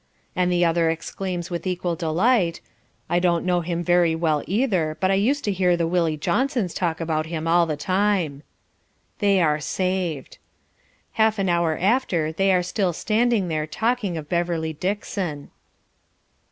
And the other exclaims with equal delight "I don't know him very well either, but I used to hear the Willie Johnsons talk about him all the time." They are saved. Half an hour after they are still standing there talking of Beverly Dixon.